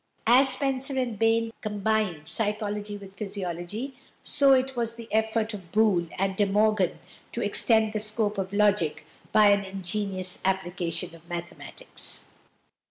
As Spencer and Bain combined psychology with physiology, so it was the effort of Boole and De Morgan to extend the scope of logic by an ingenious application of mathematics.